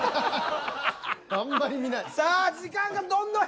あんまり見ない。